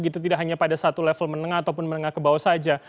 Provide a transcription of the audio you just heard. tidak hanya pada satu level menengah ataupun menengah ke bawah saja